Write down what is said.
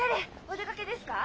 お出かけですか？